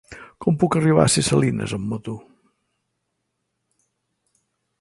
Com puc arribar a Ses Salines amb moto?